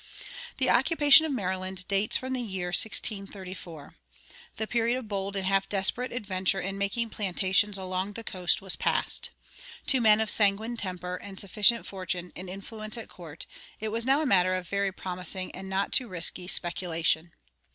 The occupation of Maryland dates from the year 1634. The period of bold and half desperate adventure in making plantations along the coast was past. To men of sanguine temper and sufficient fortune and influence at court, it was now a matter of very promising and not too risky speculation.